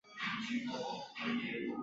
由牛党人物钱徽主持。